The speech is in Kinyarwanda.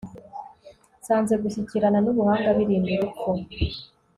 nsanze gushyikirana n'ubuhanga birinda urupfu